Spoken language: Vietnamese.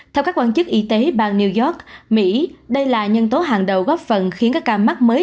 theo các quan chức y tế bang new york mỹ đây là nhân tố hàng đầu góp phần khiến các ca mắc mới